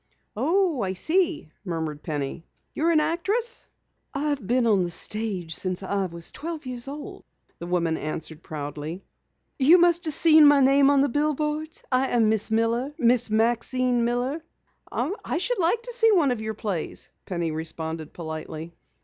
"Oh, I see," murmured Penny. "You are an actress?" "I've been on the stage since I was twelve years old," the woman answered proudly. "You must have seen my name on the billboards. I am Miss Miller. Maxine Miller." "I should like to see one of your plays," Penny responded politely.